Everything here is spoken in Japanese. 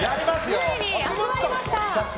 ついに集まりました。